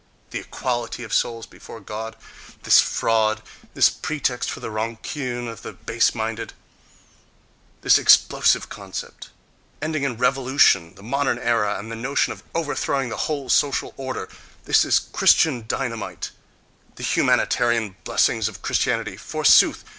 —The "equality of souls before God"—this fraud, this pretext for the rancunes of all the base minded—this explosive concept, ending in revolution, the modern idea, and the notion of overthrowing the whole social order —this is Christian dynamite.... The "humanitarian" blessings of Christianity forsooth!